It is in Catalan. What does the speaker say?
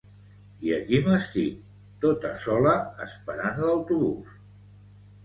I aquí m'estic, tota sola esperant l'autobús